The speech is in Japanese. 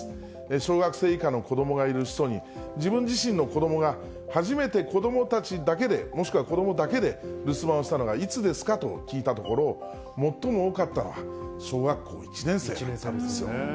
小学生以下の子どもがいる人に、自分自身の子どもが初めて子どもたちだけで、もしくは子どもだけで留守番をしたのがいつですかと聞いたところ、最も多かったのは小学校１年生だったんですよ。